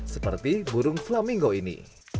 seperti burung flamingo ini